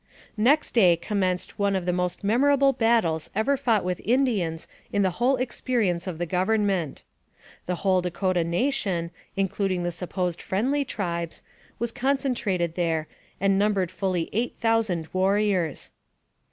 Next day commenced one of the most memorable battles ever fought with Indians in the whole experi ence of the Government. The whole Dakota nation, including the supposed friendly tribes, was concentrated there, and numbered fully eight thousand warriors.